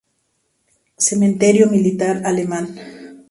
Cementerio militar alemán.